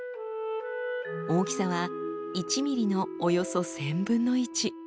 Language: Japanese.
大きさは１ｍｍのおよそ１，０００分の１。